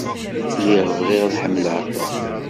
Lliɣ bɣiɣ ad ḥemmleɣ Tom.